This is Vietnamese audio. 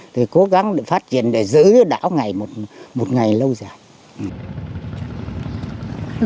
thì cố gắng để phát triển để giữ đảo ngày một ngày lâu dài